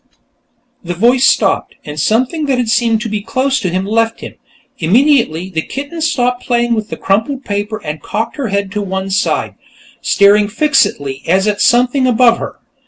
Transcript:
The voice stopped, and something that had seemed to be close to him left him. Immediately, the kitten stopped playing with the crumpled paper and cocked her head to one side, staring fixedly as at something above her.